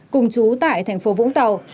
cùng chú tại thành phố vũng tàu